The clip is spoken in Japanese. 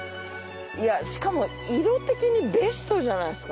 しかも色的にベストじゃないですか？